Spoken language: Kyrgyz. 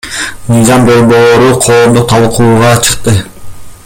Мыйзам долбоору коомдук талкууга чыкты.